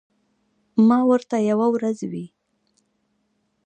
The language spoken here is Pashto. ما ورته یوه ورځ وې ـ